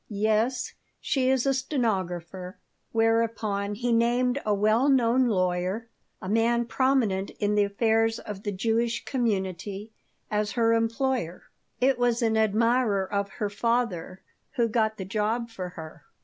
"Yes. She is a stenographer." Whereupon he named a well known lawyer, a man prominent in the affairs of the Jewish community, as her employer. "It was an admirer of her father who got the job for her."